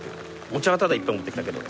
お茶はただいっぱい持ってきたけど。